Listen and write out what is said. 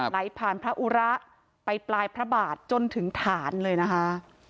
ไหลผ่านพระอุระไปปลายพระบาทจนถึงฐานเลยนะคะ